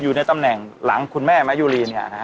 อยู่ในตำแหน่งหลังคุณแม่มายุรี